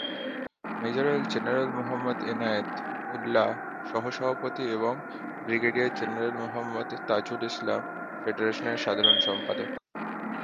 Major general মো: এনায়েত উল্লাহ সহ-সভাপতি এবং ব্রিগেডিয়ার জেনারেল মোহাম্মদ তাজুল ইসলাম ফেডারেশনের সাধারণ সম্পাদক।